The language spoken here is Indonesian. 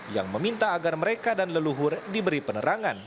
yang meminta agar mereka dan leluhur diberi penerangan